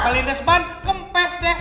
kalin desman kempes deh